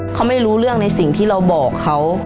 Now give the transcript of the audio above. เขาไม่รู้เรื่องในสิ่งที่เราบอกเขา